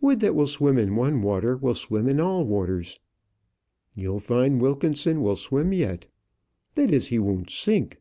Wood that will swim in one water will swim in all waters." "You'll find Wilkinson will swim yet." "That is, he won't sink.